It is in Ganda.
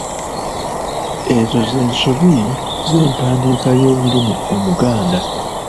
Ezo z’ensobi z’empandiika y’olulimi Omuganda.